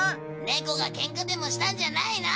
ネコがケンカでもしたんじゃないの？